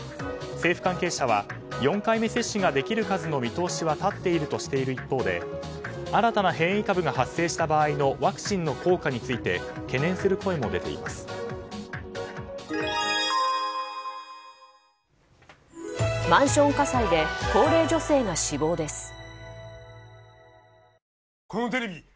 政府関係者は４回目接種ができる数の見通しは立っているとしている一方で新たな変異株が発生した場合のワクチンの効果について時刻は午後４時５９分です。